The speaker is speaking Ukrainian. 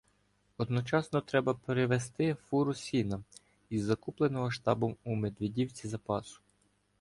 Одночасно треба привезти фуру сіна із закупленого штабом у Медведівці запасу.